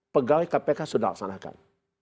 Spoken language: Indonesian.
pegawai kpk sudah laksanakan